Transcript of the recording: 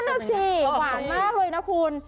นั่นน่ะสิหวานมากเลยนะคุณ